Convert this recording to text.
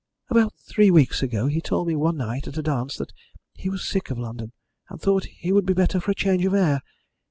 About three weeks ago he told me one night at a dance that he was sick of London, and thought he would be better for a change of air.